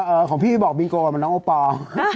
เอ๋อของพี่บอกที่มิกอร์มันน้องอบปอง